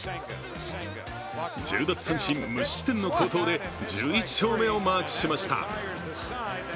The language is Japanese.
１０奪三振・無失点の好投で１１勝目をマークしました。